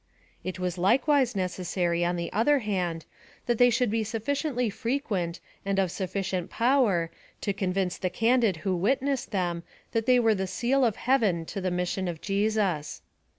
It was likewise necessary, on the other hand, that they should be sufficiently frequent, and of sufficient power, to convince the candid who witnessed them, that they were the seal of heaven to the mission of Jesus.